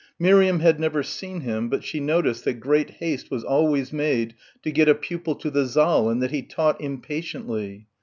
Miriam had never seen him, but she noticed that great haste was always made to get a pupil to the saal and that he taught impatiently.